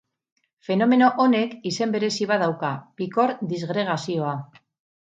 Fenomeno honek izen berezi bat dauka: pikor-disgregazioa.